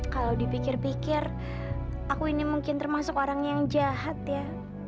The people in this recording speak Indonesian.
kalau dipikir pikir aku ini mungkin termasuk orang yang jahat ya